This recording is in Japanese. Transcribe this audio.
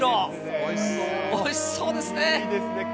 おいしそうですね。